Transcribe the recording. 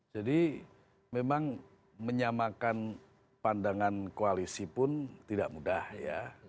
jadi memang menyamakan pandangan koalisi pun tidak mudah ya